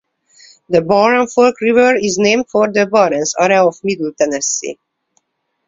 The Barren Fork River is named for the "Barrens" area of Middle Tennessee.